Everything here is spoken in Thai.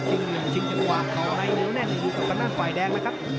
ทิ้งชิงยังวาง